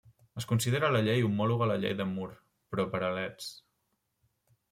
Es considera la llei homòloga a la llei de Moore però per a Leds.